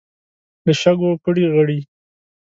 له شګو پړي غړي.